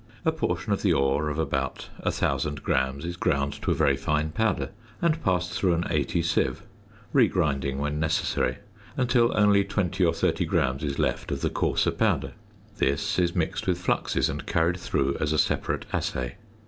A portion of the ore, of about 1000 grams, is ground to a very fine powder and passed through an 80 sieve, re grinding when necessary, until only 20 or 30 grams is left of the coarser powder. This is mixed with fluxes and carried through as a separate assay.